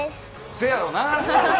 せやろな。